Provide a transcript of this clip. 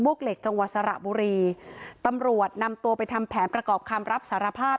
เหล็กจังหวัดสระบุรีตำรวจนำตัวไปทำแผนประกอบคำรับสารภาพ